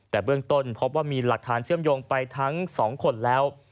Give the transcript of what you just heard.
แต่เบื้องต้นพบว่ามีหลักฐานเชื่อมโยงไปทั้ง๒คนแล้ว